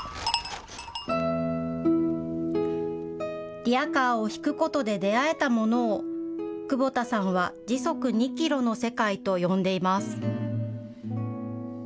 リヤカーを引くことで出会えたものを久保田さんは時速２キロの世界と呼んでいます。